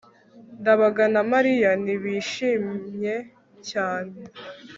ndabaga na mariya ntibishimye cyane